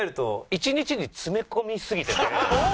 １日に詰め込みすぎてない？